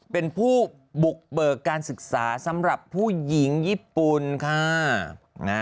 เป็นผู้บุกเบิกการศึกษาสำหรับผู้หญิงญี่ปุ่นค่ะ